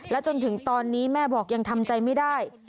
จนถึงตอนนี้แม่บอกยังทำใจไม่ได้